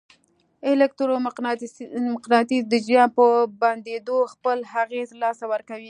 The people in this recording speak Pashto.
الکترو مقناطیس د جریان په بندېدو خپل اغېز له لاسه ورکوي.